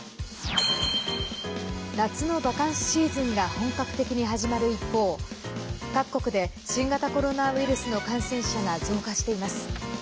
夏のバカンスシーズンが本格的に始まる一方各国で新型コロナウイルスの感染者が増加しています。